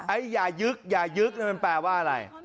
ไอ้อย่ายึกอย่ายึกมันแปลว่าอะไร